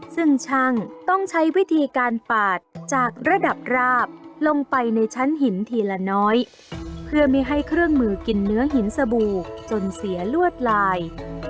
ซึ่งช่างต้องใช้วิธีการปาดจากระดับราบลงไปในชั้นหินทีละน้อยเพื่อไม่ให้เครื่องมือกินเนื้อหินสบู่จนเสียลวดลาย